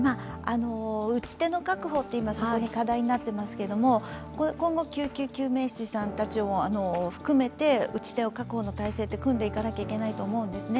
打ち手の確保が課題になっていますけれども、今後、救急救命士さんも含めて、打ち手の確保の体制を組んでいかないといけないと思うんですね。